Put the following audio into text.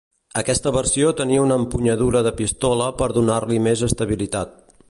Aquesta versió tenia una empunyadura de pistola per donar-li més estabilitat.